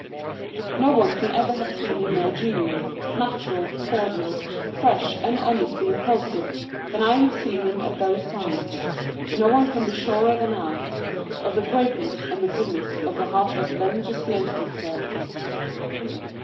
No one can ever have seen him more genial, natural, cordial, fresh, and honestly impulsive, than I have seen him at those times. No one can be surer than I, of the greatness and the goodness of the heart that then disclosed itself.